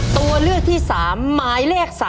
ตัวเลือกที่๓หมายเลข๓